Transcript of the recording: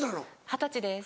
二十歳です。